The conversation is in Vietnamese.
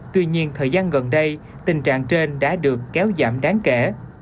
tuy nhiên thời gian gần đây tình trạng trên đã được kéo giảm đáng kể